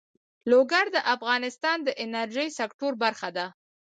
لوگر د افغانستان د انرژۍ سکتور برخه ده.